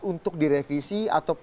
untuk direvisi atau